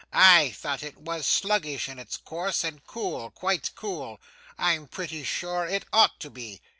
I thought it was sluggish in its course, and cool, quite cool. I am pretty sure it ought to be.